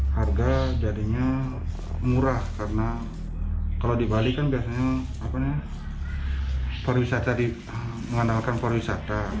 harga jadinya murah karena kalau di bali kan biasanya pariwisata mengandalkan pariwisata